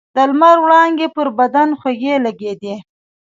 د لمر وړانګې پر بدن خوږې لګېدې.